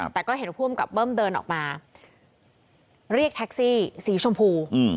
แต่ก็เห็นผู้อำกับเบิ้มเดินออกมาเรียกแท็กซี่สีชมพู